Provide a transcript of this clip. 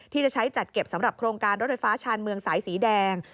ที่จะใช้จัดเก็บสำหรับโครงการรถไฟฟ้าชาญเมืองสายสีแดง